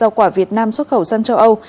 rau quả việt nam xuất khẩu sang châu âu